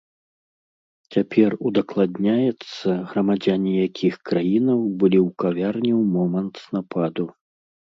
Цяпер удакладняецца, грамадзяне якіх краінаў былі ў кавярні ў момант нападу.